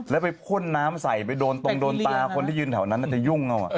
แก่โฟนามใส่ไปโดนตรงโตนข้างคนที่ยืนแถวนั้นจะยุ่ง